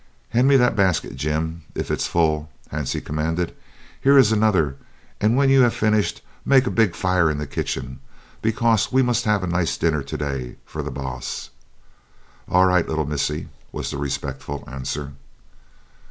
"Hand me that basket, Jim, if it is full," Hansie commanded. "Here is another; and when you have finished, make a big fire in the kitchen, because we must have a nice dinner to day for the baas." "All right, little missie," was the respectful answer.